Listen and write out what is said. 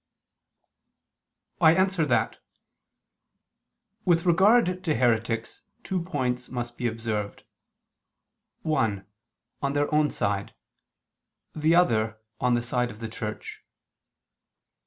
I answer that, With regard to heretics two points must be observed: one, on their own side; the other, on the side of the Church.